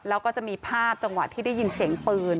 แล้วก็จะมีภาพจังหวะที่ได้ยินเสียงปืน